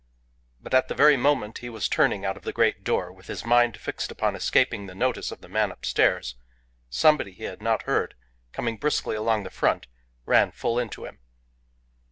But at the very moment he was turning out of the great door, with his mind fixed upon escaping the notice of the man upstairs, somebody he had not heard coming briskly along the front ran full into him.